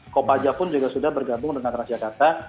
kopaja pun juga sudah bergabung dengan transjakarta